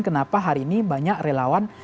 kenapa hari ini banyak relawan